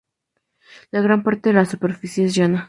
La gran parte de la superficie es llana.